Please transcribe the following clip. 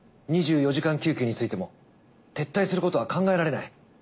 ２４時間救急についても撤退することは考えられない。